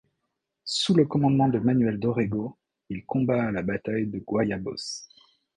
Sous le commandement de Manuel Dorrego, il combat à la bataille de Guayabos.